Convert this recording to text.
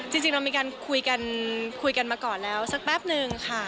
จริงเรามีการคุยกันคุยกันมาก่อนแล้วสักแป๊บนึงค่ะ